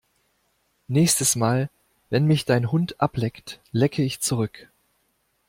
Nächstes Mal, wenn mich dein Hund ableckt, lecke ich zurück!